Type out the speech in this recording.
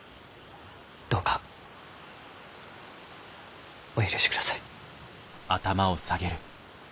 どうかお許しください。